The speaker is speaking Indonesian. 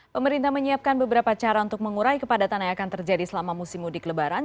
pemerintah menyiapkan beberapa cara untuk mengurai kepadatan yang akan terjadi selama musim mudik lebaran